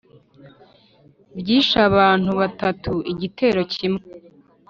ryishe abantu batatu igitero kimwe